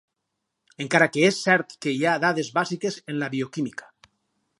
Encara que és cert que hi ha dades bàsiques en la bioquímica.